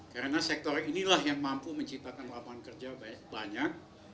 karena sektor inilah yang mampu menciptakan lapangan kerja banyak